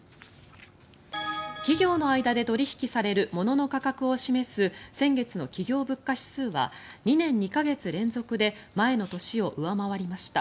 企業の間で取引される物の価格を示す先月の企業物価指数は２年２か月連続で前の年を上回りました。